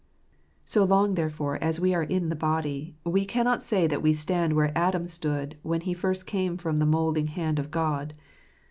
So long, therefore, as we are in the body, we cannot say that we stand where Adam stood when he first came from the moulding hand of God.